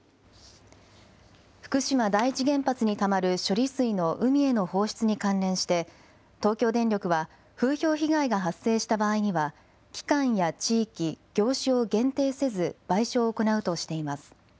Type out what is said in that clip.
福島第一原発にたまる処理水の海への放出に関連して、東京電力は風評被害が発生した場合には、期間や地域、業種を限定せず、賠償を行うとしています。